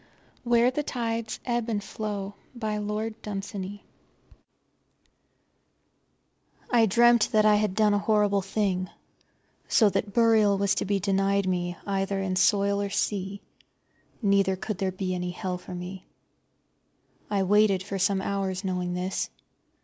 WHERE THE TIDES EBB AND FLOW I dreamt that I had done a horrible thing, so that burial was to be denied me either in soil or sea, neither could there be any hell for me. I waited for some hours, knowing this.